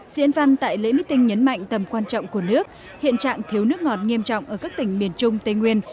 diễn văn tại lễ meeting nhấn mạnh tầm quan trọng của nước hiện trạng thiếu nước ngọt nghiêm trọng ở các tỉnh miền trung tây nguyên